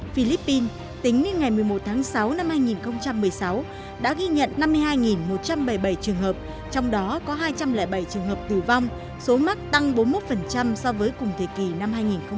philippines tính đến ngày một mươi một tháng sáu năm hai nghìn một mươi sáu đã ghi nhận năm mươi hai một trăm bảy mươi bảy trường hợp trong đó có hai trăm linh bảy trường hợp tử vong số mắc tăng bốn mươi một so với cùng kỳ năm hai nghìn một mươi bảy